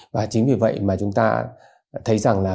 và chính vì vậy mà chúng ta thấy rằng